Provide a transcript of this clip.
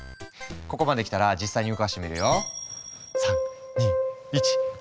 ここまできたら実際に動かしてみるよ。